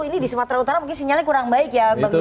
ini di sumatera utara mungkin sinyalnya kurang baik ya